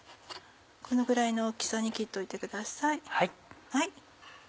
このぐらいの大きさに切っておいてください。